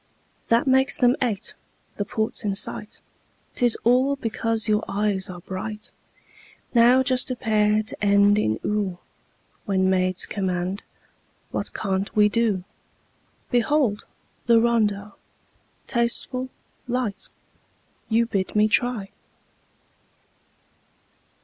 That makes them eight. The port's in sight 'Tis all because your eyes are bright! Now just a pair to end in "oo" When maids command, what can't we do? Behold! the rondeau, tasteful, light, You bid me try!